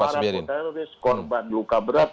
para teroris korban luka berat